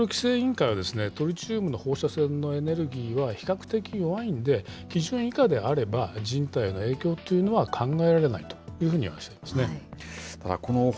原子炉規制委員会は、トリチウムの放射線のエネルギーは、比較的弱いんで、基準以下であれば人体への影響というのは考えられないというふうに話しているんですね。